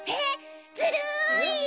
ずるい！